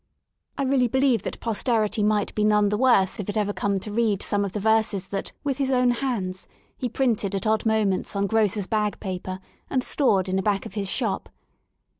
I really believe that Posterity might be none the worse if it ever come to read some of the verses that, with his own hands, he printed at odd moments on grocers' bag paper and stored in the back of his shop.